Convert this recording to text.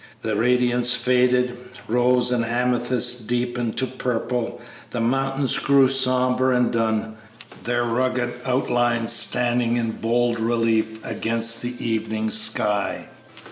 The radiance faded, rose and amethyst deepened to purple; the mountains grew sombre and dun, their rugged outlines standing in bold relief against the evening sky.